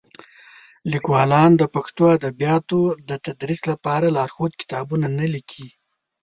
لیکوالان د پښتو ادبیاتو د تدریس لپاره لارښود کتابونه نه لیکي.